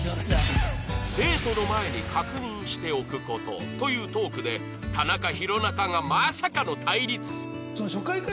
デートの前に確認しておく事というトークで田中弘中がまさかの対立